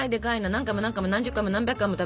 何回も何回も何十回も何百回も食べてる。